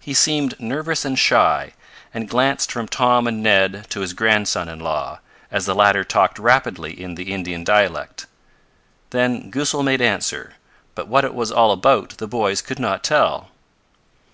He seemed nervous and shy, and glanced from Tom and Ned to his grandson in law, as the latter talked rapidly in the Indian dialect. Then Goosal made answer, but what it was all about the boys could not tell.